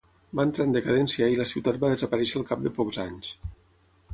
Va entrar en decadència i la ciutat va desaparèixer al cap de pocs anys.